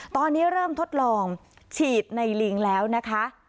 ตอนนี้เริ่มทดลองฉีดในลิงแล้วนะคะ